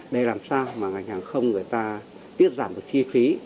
để làm sao mà ngành hàng không người ta tiết giảm được chi phí